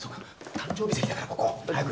誕生日席だからここ。早く。